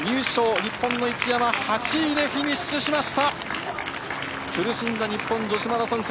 日本の一山８位でフィニッシュし苦しんだ日本女子マラソン界。